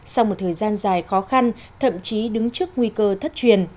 sau một thời gian dài khó khăn thậm chí đứng trước nguy cơ thất truyền